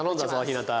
ひなた！